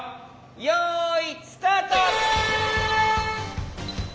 よいスタート！